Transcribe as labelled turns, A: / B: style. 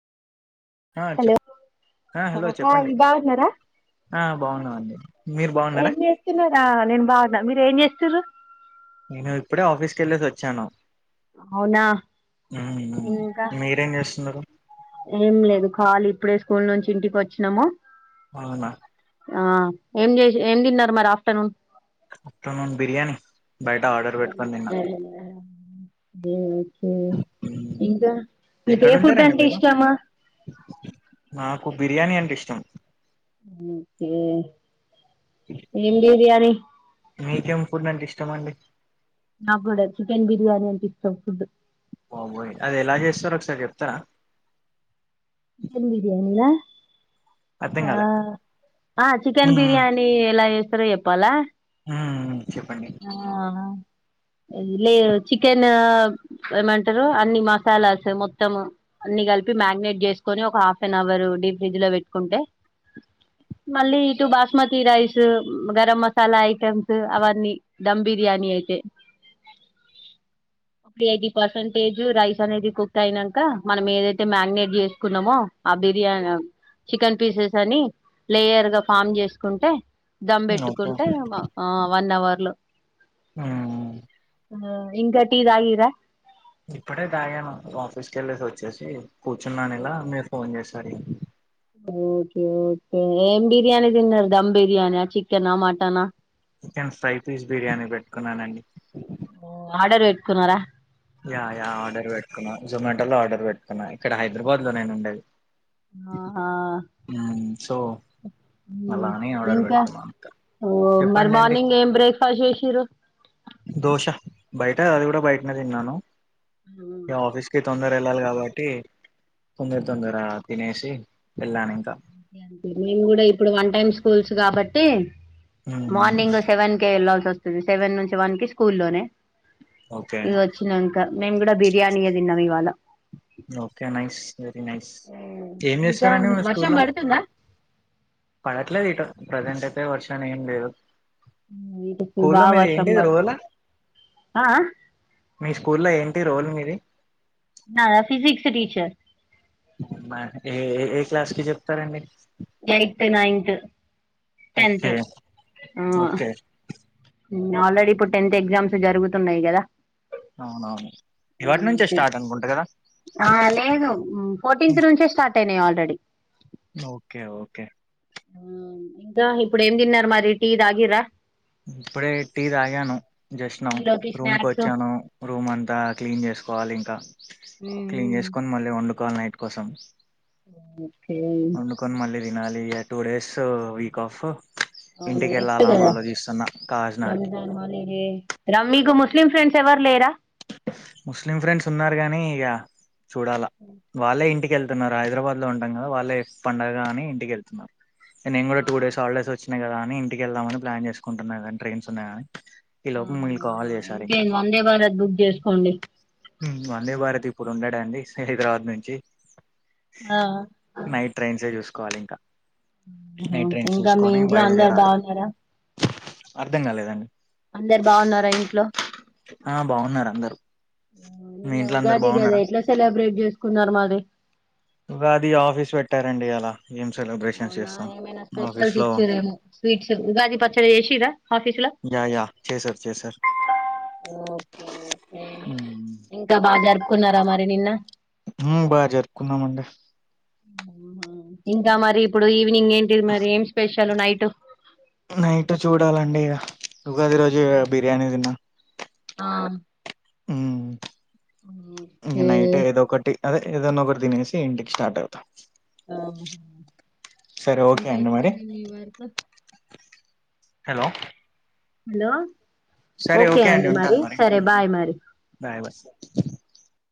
A: ఆ
B: హలో
A: చెప్ ఆ హలో
B: హాయ్
A: చెప్పండి
B: బావున్నారా
A: ఆ బాగున్నామండి మీరు బాగున్నారా
B: ఏం చేస్తున్నారా నేను బావున్నా మీరు ఏం చే తురు
A: నేను ఇప్పుడే ఆఫీస్కెళ్ళేసి ఒచ్చాను.
B: అవునా ఇంకా
A: మీరేం చేస్తున్నారు
B: ఏం లేదు కాలీ ఇప్పుడే స్కూల్ నుంచి ఇంటికి ఒచ్చినము
A: అవునా
B: ఆ ఏం జేస్ ఏం తిన్నరు మరి ఆఫ్టర్నూన్
A: ఆఫ్టేర్నూన్ బిర్యానీ బయట ఆర్డర్ పెట్టుకొని తిన్నా ఉమ్.
B: ఇంకా మీకు ఏ ఫుడ్
A: ఎక్కడుంటారండి
B: అంటే
A: మీరు
B: ఇష్టము?
A: నాకు బిర్యానీ అంటే ఇష్టం.
B: ఓకే ఏం బిర్యానీ
A: మీకేం ఫుడ్ అంటే ఇష్టమండి?
B: నా గూడా చికెన్ బిర్యానీ అంటే ఇష్టం ఫుడ్డు
A: బాబోయ్ అది ఎలా జేస్తారో ఒకసారి జెప్తరా
B: చికెన్ బిర్యానీనా
A: అర్థం
B: ఆ
A: కాలే
B: ఆ చికెన్ బిర్యానీ ఎలా యెస్ రే యెప్పాలా
A: ఊమ్ చెప్పండి
B: అది లేదు చికెన్ ఏమంటరు అన్ని మసాలాస్ మొత్తము అన్ని గలిపి మ్యాగనేట్ జేస్ కొని ఒక half an hour deep fridge లో వెట్టుకుంటే మళ్ళీ ఇటు బాస్మతి రైస్ గరం మసాలా ఐటమ్స్ అవన్నీ దమ్ బిర్యానీ అయితే ఎయిటీ పర్సంటేజు రైస్ అనేది కుక్ అయినంక మనం ఏదైతే మాగ్నేట్ జే కున్నామో ఆ బిర్యా చికెన్ పీసెస్ అని లేయర్ గా ఫామ్ జేసుకుంటే దమ్
A: ఉమ్, ఓకే
B: బెట్టుకుంటే ఆ వన్ అవర్ లొ
A: ఆ
B: ఆ ఇంక టీ దాగిర
A: ఇప్పుడే దాగాను ఆఫీస్కెల్లేసి ఒచ్చేసి కూర్చున్నాను ఇలా మీరు ఫోన్ జేస్ అడిగిన్
B: అ ఓకే ఓకే ఏం బిర్యానీ దిన్నరు దమ్ బిర్యాన, చికెనా, మటనా.
A: చికెన్ ఫ్రై పీస్ బిర్యానీ బెట్ కున్నానండి
B: కున్నార
A: యా యా ఆర్డర్ వెట్టుకున్న జొమాటో లో ఆర్డర్ వెట్టుకున్నా, ఇక్కడ హైదరాబాద్ లో నేను ఉండేది.
B: ఆహా
A: ఊమ్ సో
B: ఉమ్,
A: అలా అని ఆర్డర్
B: ఇంకా
A: వెట్టుకున్న అంతె చెప్పండి అండి
B: ఫష్ జేషిర్రు
A: దోశ బయట అది గూడా బయట్నే దిన్నాను. ఇగ ఆఫీస్ కి తొందర ఎళ్ళాలి గాబట్టి తొందర తొందర తినేష్ తిన్ వెళ్లానింక
B: మేం గూడా ఇప్పుడు వన్ టైమ్ స్కూల్స్ గాబట్టి
A: మ్మ్, మ్మ్.
B: మార్నింగ్ సెవెన్ కె ఎలా వంది సెవెన్ నుంచి వన్ కి స్కూల్లోనే
A: ఓకే
B: ఇ వచ్చినంక అ మేము గూడా బిర్యానీ ఏ తిన్నాం ఇవాళ
A: ఓకే నైస్ వెరీ ఏం
B: ఇంకా
A: చేస్తారండి మీ
B: వర్షం
A: స్కూల్ లో
B: పడుతుందా
A: పడట్లేదు ఇటు ప్రజెంట్ అయితే వర్షం ఏం లేదు
B: ఇటు
A: స్కూ లో
B: బాగా
A: మీది
B: వర్షం
A: ఏంటిది రోల్
B: పడుతుంది ఆ ఆ
A: మీ స్కూ లో ఏంటి రోల్ మీది?
B: నాదా ఫిజిక్స్ టీచర్
A: మ ఏ ఏ క్లాస్ కి చెప్తారండి?
B: Eighth ninth tenth
A: okay okay
B: మ్ ఆల్రెడీ ఇప్పుడు టెన్త్ ఎగ్జామ్స్ జరుగుతున్నాయి కదా
A: అవునవును ఇవాటి
B: మ్
A: నుంచే
B: బి
A: స్టార్ట్ అనుకుంటా కదా
B: లేదు ఫోర్టీన్త్
A: హ్మ్.
B: నుంచే స్టార్ట్ నయి ఆల్రెడీ
A: ఓకే ఓకే
B: ఇంకా ఇప్పుడు ఏం తిన్నారు మరి టీ తాగిరా
A: ఇప్పుడే టీ తాగాను జస్ట్
B: టీ
A: నవు
B: లోకి
A: రూమ్ కు
B: స్నాక్స్
A: వచ్చాను రూమ్ అంతా క్లీన్ చేసుకోవాలి ఇంకా క్లీన్ చేసుకొని మళ్ళీ వండు కాల్ నైట్ కోసం
B: ఒకేయి
A: నాలి టూ డేస్ వీక్ ఆఫ్
B: ఆ న
A: ఇంటికి వెళ్ళాలా అని ఆలోచిస్తున్నా కాకినాడకి
B: రమజ హాలిడే రమ మీకు ముస్లిం ఫ్రెండ్స్ ఎవరు లేరా
A: ముస్లిం ఫ్రెండ్స్ ఉన్నారు గానీ ఇగ చూడాలా వాళ్ళే ఇంటి వెళ్తున్నారు హైదరాబాద్ లో ఉంటాందా వాళ్ళే పండగ అని ఇంటికెళ్తున్నారు నేను గూడా టూ డేస్ హాలిడేస్ వచ్చినాయి కదా ని ఇంటికిళ్దామని ప్లాన్ చేసుకుంటున్నారు కానీ ట్రైన్స్ ఉన్నాయాని కాని
B: ఆహా ఇంకేన్ వందే భారత్ బు
A: మ్ వందే భారత్ ఇప్పుడు ఉన్నాడా అండి హైదరాబాద్ నుంచి
B: ఆ
A: నైట్ ట్రైన్సే చూసుకో కోవాలి ఇంకా నైట్ ట్రైన్స్
B: ఇంకా మీ
A: చూసుకొని
B: ఇంట్లో అందరూ బాగున్నారా
A: అర్ధం కాలేదండి
B: అందరు బాగున్నారా ఇంట్లో
A: ఆ బాగున్నారు అందరు మీ ఇంట్లో అందరు బాగున్నారా
B: కున్నారు మాది
A: ఉగాది ఆఫీస్ పెట్టారండి ఇయాల ఏం సెలబ్రేషన్స్
B: అవునా
A: చేస్తాం
B: ఏమైనా
A: ఆఫీస్
B: స్పెషల్స్
A: లో
B: ఇచ్చిరేమో స్వీట్ ఉగాది పచ్చడి చేసి రా ఆఫీస్ లో
A: యా యా చేసారు చేసారు
B: ఇంకా బాగా జరుపు కున్నారా మరి నిన్న
A: బాగా జరుపుకున్నామండి
B: ఉహ్ మరి ఇప్పుడు ఈ ఇవినింగ్ ఏంటిది మరి ఏం స్పెషల్ నైట్
A: నైట్ చూడాలండి ఉగాది రోజు బిర్యానీ తిన్నా
B: ఆ
A: ఉ
B: మ్మ్.
A: ఇక
B: ఏ
A: నైట్ ఏదో ఒకటి అదే ఏదైనా ఒకటి తినేసి ఇంటికి స్టార్ట్ అవుతా సరే ఓకే అండి
B: ఇంకెట్లా
A: మరి
B: ఉంది మీ వర్క్
A: హలో
B: హలో
A: సరే ఓకే అండి ఉంటాను మరి బాయ్ బయ్